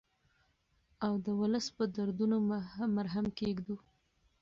او د ولس په دردونو مرهم کېږدو.